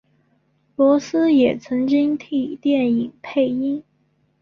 罗斯也曾经替电影配音。